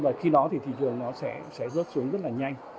và khi đó thì thị trường nó sẽ rớt xuống rất là nhanh